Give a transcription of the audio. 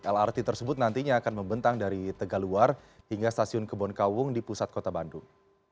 lrt tersebut nantinya akan membentang dari tegaluar hingga stasiun kebonkawung di pusat kota bandung